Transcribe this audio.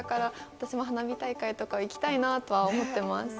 私も花火大会とか行きたいなと思っています。